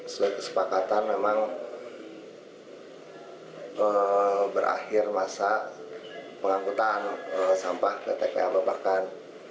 sesuai kesepakatan memang berakhir masa pengangkutan sampah ke tpa babakan